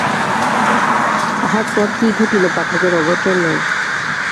তাহার পর কী ঘটিল পাঠকের অগোচর নাই।